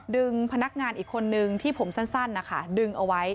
พนักงานอีกคนนึงที่ผมสั้นนะคะดึงเอาไว้